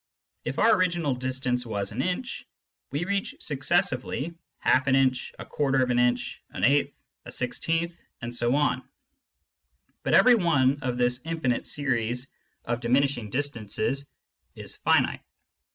If our original distance was an inch, we reach successively half an inch, a quarter of an inch, an eighth, a sixteenth, and so on ; but every one of this infinite series of diminishing distances is finite.